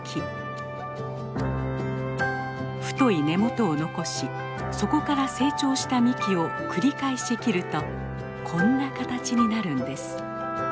太い根元を残しそこから成長した幹を繰り返し切るとこんな形になるんです。